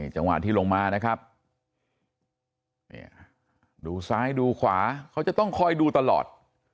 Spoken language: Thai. จังหวะที่ลงมานะครับดูซ้ายดูขวาเขาจะต้องคอยดูตลอด